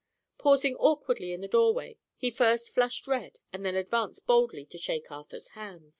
Pausing awkwardly in the doorway, he first flushed red and then advanced boldly to shake Arthur's hand.